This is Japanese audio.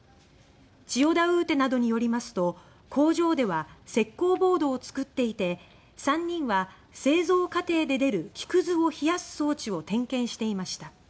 「チヨダウーテ」などによりますと工場では石膏ボードを作っていて３人は製造過程で出る木くずを冷やす装置を点検していました。